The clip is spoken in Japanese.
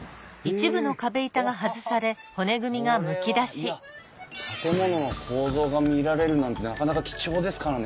これはいや建物の構造が見られるなんてなかなか貴重ですからね